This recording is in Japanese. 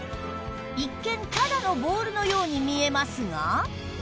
一見ただのボールのように見えますが